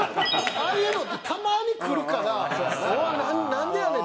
ああいうのってたまに来るからうわっなんでやねん！